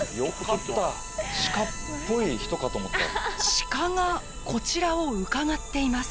鹿がこちらをうかがっています。